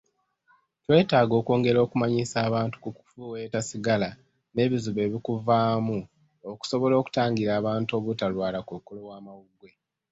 twetaaga okwongera okumanyisa abantu ku kufuweeta sigala n'ebizibu ebivaamu okusobola okutangira abantu obutalwala kkookolo w'amawugwe.